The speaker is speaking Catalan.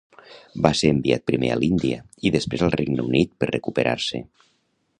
Va ser enviat primer a l'Índia i després al Regne Unit per recuperar-se.